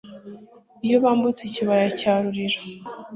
Iyo bambutse ikibaya cya Rurira